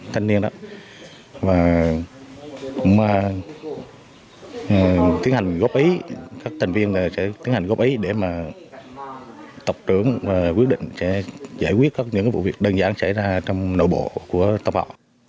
tiến hành góp ý các thành viên sẽ tiến hành góp ý để mà tộc trưởng quyết định sẽ giải quyết các những vụ việc đơn giản xảy ra trong nội bộ của tộc họ